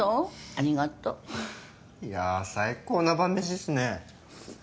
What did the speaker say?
ありがとういや最高な晩飯っすね